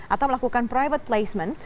atau melakukan private placement